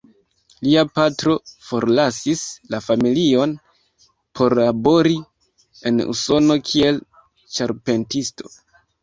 Lia patro forlasis la familion por labori en Usono kiel ĉarpentisto.